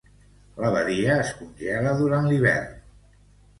La badia es congela durant l'hivern.